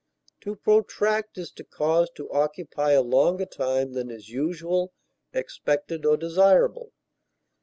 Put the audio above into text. To protract is to cause to occupy a longer time than is usual, expected, or desirable.